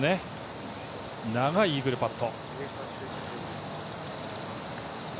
長いイーグルパット。